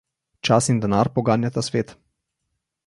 Čas in denar poganjata svet.